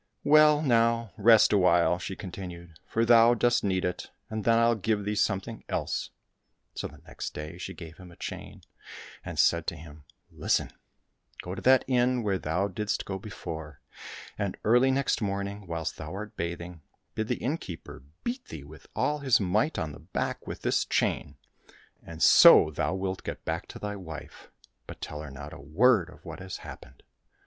" Well, now, rest awhile," she continued, " for thou dost need it, and then I'll give thee something else." So the next day she gave him a chain, and said to him, " Listen ! Go to that inn where thou didst go before, and early next morning, whilst thou art bathing, bid the innkeeper beat thee with all his might on the back with this chain, and so thou wilt get back to thy wife, but tell her not a word of what has happened."